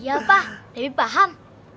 iya pak debbie paham